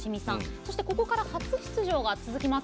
そして、ここから初出場が続きます。